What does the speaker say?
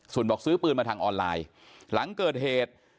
ส่วนบอกซื้อปืนมาทางออนไลน์หลังเกิดเหตุ